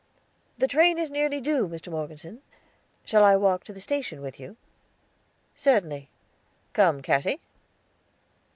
"The train is nearly due, Mr. Morgeson; shall I walk to the station with you?" "Certainly; come, Cassy."